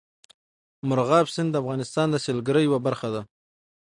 مورغاب سیند د افغانستان د سیلګرۍ یوه برخه ده.